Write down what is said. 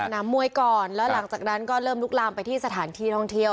มวยก่อนแล้วหลังจากนั้นก็เริ่มลุกลามไปที่สถานที่ท่องเที่ยว